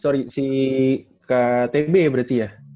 sorry si ktb berarti ya